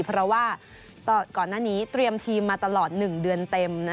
เพราะว่าก่อนหน้านี้เตรียมทีมมาตลอด๑เดือนเต็ม